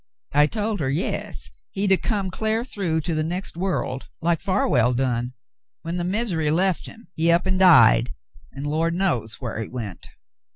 I told her yas, he'd 'a' come cl'ar through to the nex' world, like Farwell done. When the misery left him, he up an' died, an' Lord knows whar he went."